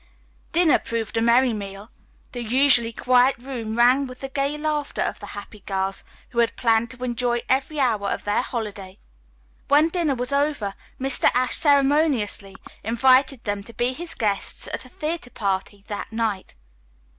Dinner proved a merry meal. The usually quiet room rang with the gay laughter of the happy girls, who had planned to enjoy every hour of their holiday. When dinner was over, Mr. Ashe ceremoniously invited them to be his guests at a theatre party that night.